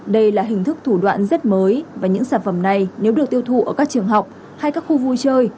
đây là hình thức thủ đoạn rất mới và những sản phẩm này nếu được tiêu thụ ở các trường học hay các khu vui chơi